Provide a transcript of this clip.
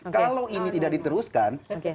kalau ini tidak diteruskan